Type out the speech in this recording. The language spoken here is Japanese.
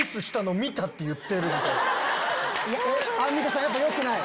アンミカさんやっぱよくない？